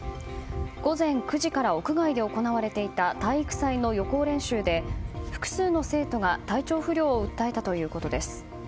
午前９時から屋外で行われていた体育祭の予行練習で複数の生徒が体調不良を訴えたということです。